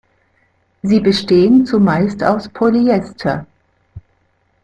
Sie bestehen zumeist aus Polyester.